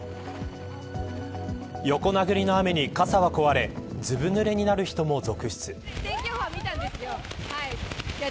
横殴りの雨に傘は壊れずぶぬれになる人も続出。